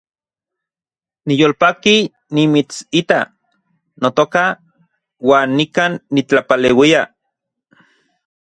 Niyolpaki nimitsita, notoka, uan nikan nitlapaleuia